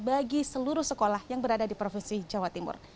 bagi seluruh sekolah yang berada di provinsi jawa timur